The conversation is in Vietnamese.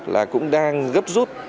là cũng đang gấp rút